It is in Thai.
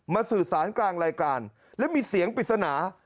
สื่อสารกลางรายการและมีเสียงปริศนา